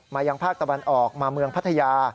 ยังภาคตะวันออกมาเมืองพัทยา